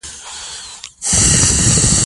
موږ یو مېلمه پال ملت یو.